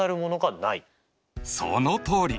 そのとおり！